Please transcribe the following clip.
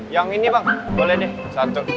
yang ini pak boleh deh satu